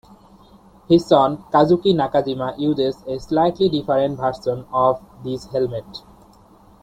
His son Kazuki Nakajima uses a slightly different version of this helmet.